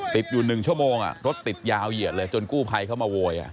ติดอยู่หนึ่งชั่วโมงอ่ะรถติดยาวเหยียดเลยจนกู้ไพเขามาโวยอ่ะ